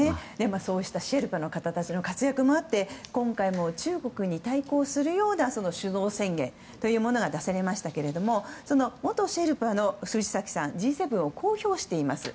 そうしたシェルパの方たちの活躍もあって今回も中国に対抗するような首脳宣言というものが出されましたけど元シェルパの藤崎さんはＧ７をこう評しています。